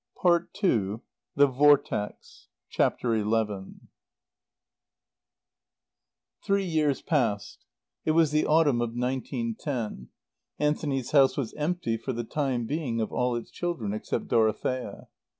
PART II THE VORTEX XI Three years passed. It was the autumn of nineteen ten. Anthony's house was empty for the time being of all its children except Dorothea.